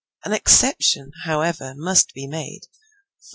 An exception, however, must be made for M.